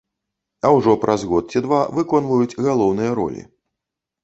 А ужо праз год ці два выконваюць галоўныя ролі.